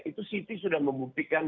itu city sudah membuktikan